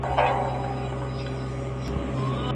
خلګو د مال په مقابل کي سوله وکړه.